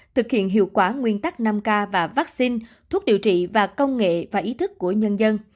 thực hiện hiệu quả nguyên tắc năm k và vaccine thuốc điều trị và công nghệ và ý thức của nhân dân